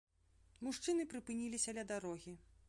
Мужчыны прыпыніліся ля дарогі.